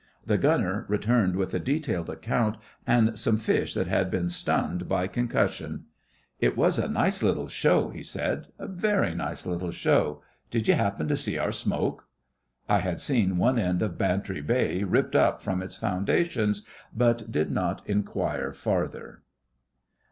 The Gunner returned with a detailed account and some fish that had been stunned by concussion. 'It was a nice little show,' he said. 'A very nice little show. Did you happen to see our smoke?' I had seen one end of Bantry Bay ripped up from its foundations, but did not inquire farther.